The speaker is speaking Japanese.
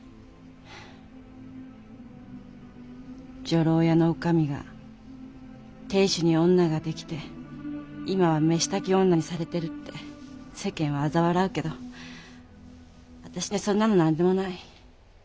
女郎屋の女将が亭主に女ができて今は飯炊き女にされてるって世間はあざ笑うけど私にゃそんなの何でもない。